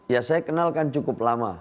ya saya kenalkan cukup lama